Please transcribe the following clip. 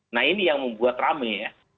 nah ini yang membuat rame ya